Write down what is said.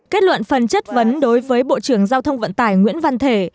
kết luận phần chất vấn đối với bộ trưởng giao thông vận tải nguyễn văn thể